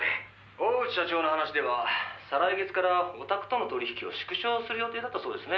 「大内社長の話では再来月からおたくとの取り引きを縮小する予定だったそうですね」